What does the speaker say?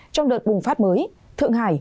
trong đợt bùng phát mới thượng hải